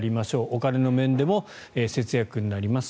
お金の面でも節約になります。